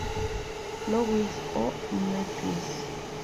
Louis o Memphis.